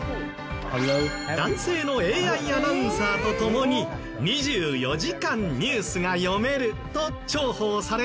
男性のＡＩアナウンサーと共に２４時間ニュースが読めると重宝されているそう。